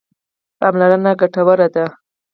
پاملرنه ګټوره ده.